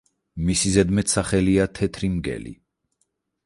მისი ზედმეტსახელია „თეთრი მგელი“.